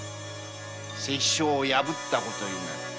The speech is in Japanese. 関所を破った事になる。